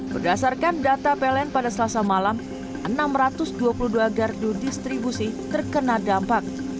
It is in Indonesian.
berdasarkan data pln pada selasa malam enam ratus dua puluh dua gardu distribusi terkena dampak